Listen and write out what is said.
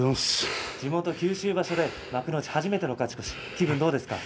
地元、九州場所で幕内初めての勝ち越し、気分はどうですか？